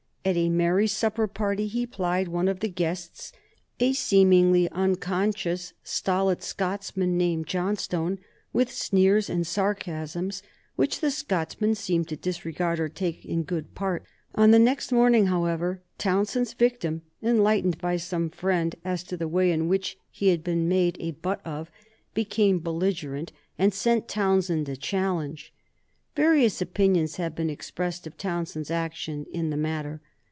At a merry supper party he plied one of the guests, a seemingly unconscious, stolid Scotchman named Johnstone, with sneers and sarcasms which the Scotchman seemed to disregard or take in good part. On the next morning, however, Townshend's victim, enlightened by some friend as to the way in which he had been made a butt of, became belligerent and sent Townshend a challenge. Various opinions have been expressed of Townshend's action in the matter.